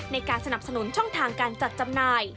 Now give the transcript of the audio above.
ในการสนับสนุนช่องทางการจัดจำหน่าย